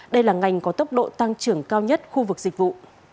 đây là ngành có tốc độ tăng trưởng cao nhất khu vực dịch vụ